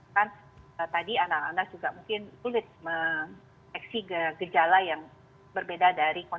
kan tadi anak anak juga mungkin sulit mengeksi gejala yang berbeda dari kondisi kematian